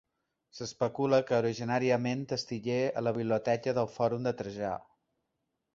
S'especula que originàriament estigué a la Biblioteca del Fòrum de Trajà.